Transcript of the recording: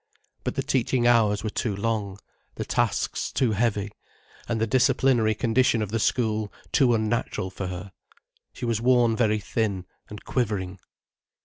But the teaching hours were too long, the tasks too heavy, and the disciplinary condition of the school too unnatural for her. She was worn very thin and quivering.